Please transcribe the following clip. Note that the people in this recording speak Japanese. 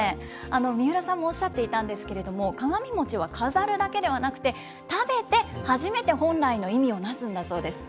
三浦さんもおっしゃっていたんですけれども、鏡餅は飾るだけではなくて、食べて初めて本来の意味をなすんだそうです。